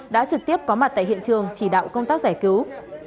đã trực tiếp có mặt tại hiện trường chỉ đạo công tác giải cứu